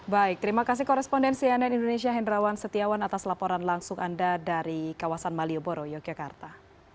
baik terima kasih korespondensi ann indonesia hendrawan setiawan atas laporan langsung anda dari kawasan malioboro yogyakarta